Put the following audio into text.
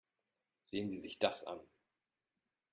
Sehen Sie sich das an.